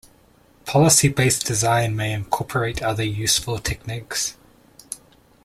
Policy-based design may incorporate other useful techniques.